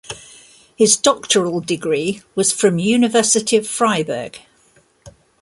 His doctoral degree was from University of Freiberg.